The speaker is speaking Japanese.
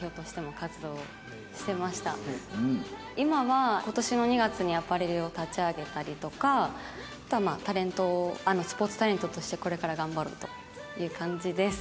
今は今年の２月にアパレルを立ち上げたりとかあとはまあタレントスポーツタレントとしてこれから頑張ろうという感じです。